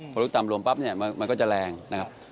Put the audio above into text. พอลุกต่ำลมปั๊บเนี่ยมันก็จะแรงนะครับ